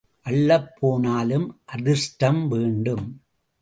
அள்ளப் போனாலும் அதிர்ஷ்டம் வேண்டும்.